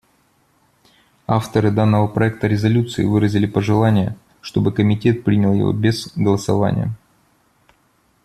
Авторы данного проекта резолюции выразили пожелание, чтобы Комитет принял его без голосования.